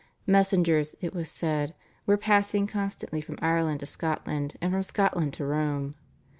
Messengers, it was said, were passing constantly from Ireland to Scotland, and from Scotland to Rome.